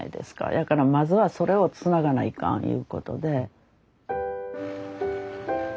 やからまずはそれをつながないかんいうことで。